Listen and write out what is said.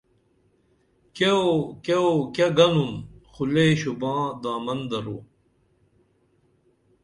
کیوو کیوو کیہ گنُن خو لے شوباں دامن درو